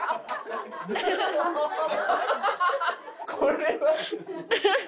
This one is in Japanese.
これは。